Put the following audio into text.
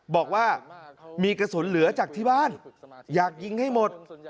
บอกว่ามีกระสุนเหลือจากที่บ้านอยากยิงให้หมด